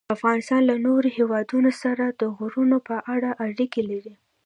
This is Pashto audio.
افغانستان له نورو هېوادونو سره د غرونو په اړه اړیکې لري.